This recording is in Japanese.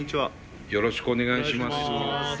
よろしくお願いします。